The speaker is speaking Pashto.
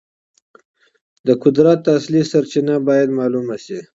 د قدرت اصلي سرچینه باید معلومه سي.